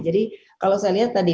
jadi kalau saya lihat tadi